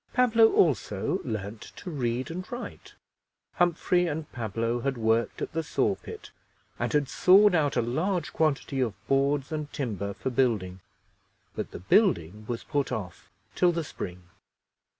Pablo also learned to read and write. Humphrey and Pablo had worked at the saw pit, and had sawed out a large quantity of boards and timber for building, but the building was put off till the spring.